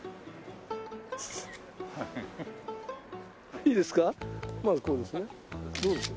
いいですか？